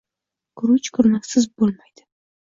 Guruch kurmaksiz boʻlmaydi.